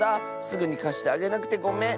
すぐにかしてあげなくてごめん！